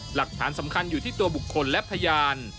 หลักฐานสำคัญอยู่ที่ตัวบุคคลและพยาน